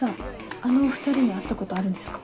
あのお２人に会ったことあるんですか？